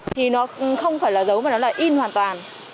thì nó không phải là dấu và nó là in hoàn toàn